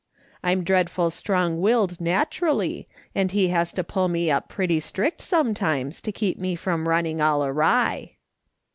I'm dreadful strong willed naturally, and he has to pull me up pretty strict sometimes to keep me from running all awry."